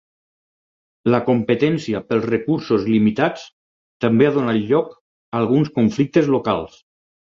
La competència pels recursos limitats també ha donat lloc a alguns conflictes locals.